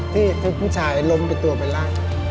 ที่ทุกผู้ชายล้มไปตัวไปลาก